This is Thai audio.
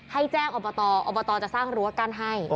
ให้แจ้งอบตอบตจะสร้างรั้วกั้นให้